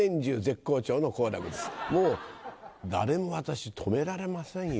もう誰も私止められませんよ。